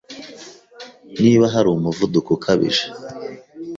Niba hari umuvuduko ukabije